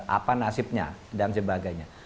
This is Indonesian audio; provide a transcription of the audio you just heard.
apa nasibnya dan sebagainya